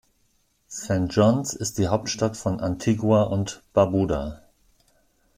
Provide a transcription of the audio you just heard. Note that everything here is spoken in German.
St. John’s ist die Hauptstadt von Antigua und Barbuda.